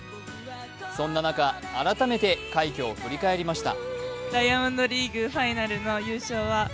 そんな中、改めて快挙を振り返りました。